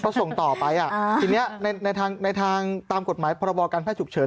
เขาส่งต่อไปอ่ะทีนี้ในทางตามกฎหมายพกภฉุกเฉิน